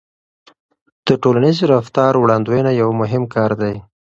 د ټولنیز رفتار وړاندوينه یو مهم کار دی.